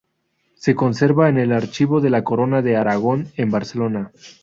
Se conserva en el Archivo de la Corona de Aragón en Barcelona.